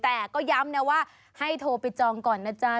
แต่ก็ย้ำนะว่าให้โทรไปจองก่อนนะจ๊ะ